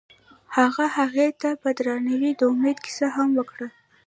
هغه هغې ته په درناوي د امید کیسه هم وکړه.